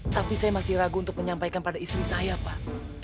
tapi saya masih ragu untuk menyampaikan pada istri saya pak